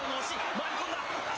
回り込んだ。